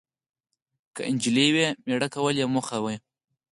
که انجلۍ وي، میړه کول یې موخه وي.